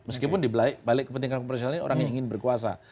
meskipun di balik kepentingan profesional ini orang yang ingin berkuasa